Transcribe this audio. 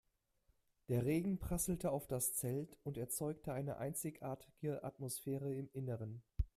Der Regen prasselte auf das Zelt und erzeugte eine einzigartige Atmosphäre im Innern.